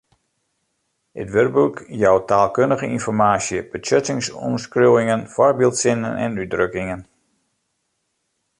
It wurdboek jout taalkundige ynformaasje, betsjuttingsomskriuwingen, foarbyldsinnen en útdrukkingen.